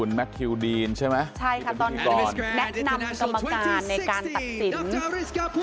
ใช่ค่ะตอนนี้แนะนำกรรมการในการตักศิลป์